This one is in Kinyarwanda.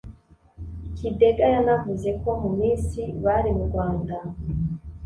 Kidega yanavuze ko mu minsi bari mu Rwanda